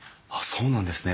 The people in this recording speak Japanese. そうなんですね。